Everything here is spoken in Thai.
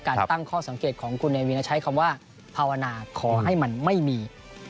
ตั้งข้อสังเกตของคุณเนวินใช้คำว่าภาวนาขอให้มันไม่มี